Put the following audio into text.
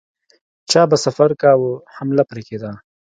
چا به سفر کاوه حمله پرې کېده.